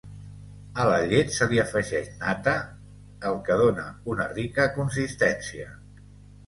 A la llet se li afegeix nata el que dóna una rica consistència.